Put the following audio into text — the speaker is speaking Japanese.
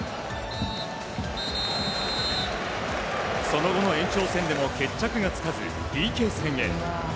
その後の延長戦でも決着がつかずＰＫ戦へ。